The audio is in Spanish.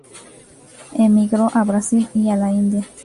Emigró a Brasil y a la India.